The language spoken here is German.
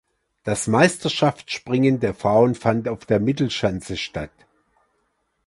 Das Meisterschaftsspringen der Frauen fand auf der Mittelschanze statt.